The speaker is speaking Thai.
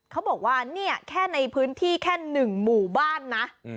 เขาบอกว่าเนี่ยแค่ในพื้นที่แค่๑หมู่บ้านนะ